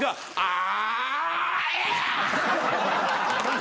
あ！